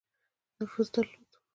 نفوذ درلود.